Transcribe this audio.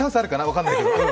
分からないけど。